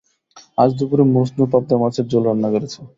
আজ দুপুরে মজনু পাবদা মাছের ঝোল রান্না করেছে।